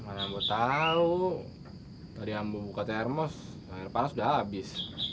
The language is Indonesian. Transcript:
mana ambo tau tadi ambo buka termos air panas udah abis